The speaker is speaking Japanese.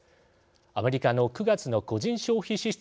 アメリカの９月の個人消費支出